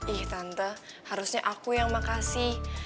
ih tante harusnya aku yang makasih